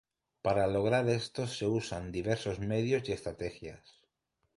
Para lograr esto se usan diversos medios y estrategias.